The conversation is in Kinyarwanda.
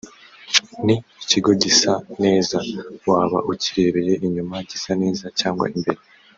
ni ikigo gisa neza waba ukirebeye inyuma gisa neza cyangwa imbere